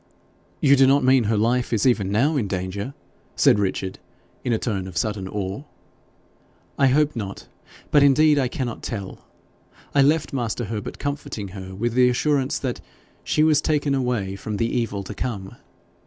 'You do not mean her life is even now in danger?' said Richard, in a tone of sudden awe. 'I hope not, but, indeed, I cannot tell. I left master Herbert comforting her with the assurance that she was taken away from the evil to come.